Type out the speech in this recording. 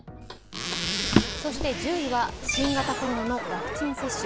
そして１０位は新型コロナのワクチン接種。